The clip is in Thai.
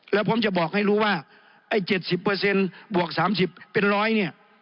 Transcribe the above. แล้วผมจะบอกให้รู้ว่าไอ้๗๐บวก๓๐เป็น๑๐๐เนี่ย